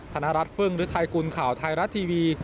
ธนรัฐฟึ่งหรือไทยกุลข่าวไทรัตทีวี